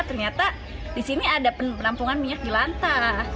ternyata di sini ada penampungan minyak jelantah